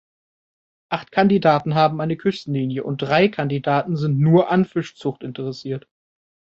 Acht Kandidaten haben eine Küstenlinie und drei Kandidaten sind nur an Fischzucht interessiert.